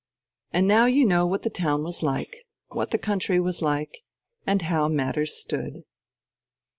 And now you know what the town was like, what the country was like, and how matters stood.